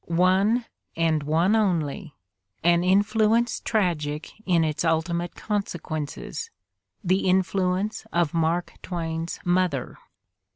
One, and one only, an influence tragic in its ultimate consequences, the influence of Mark Twain's mother.